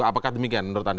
apakah demikian menurut anda